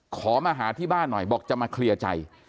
ขอมาหาที่บ้านหน่อยบอกจะมาเคลียร์ใจ